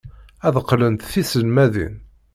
Ad qqlent d tiselmadin.